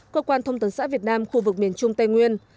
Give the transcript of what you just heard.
cơ quan thông tấn xã việt nam khu vực miền trung tây nguyên